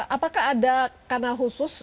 apakah ada kanal khusus